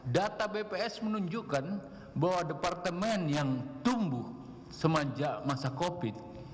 data bps menunjukkan bahwa departemen yang tumbuh semajak masa covid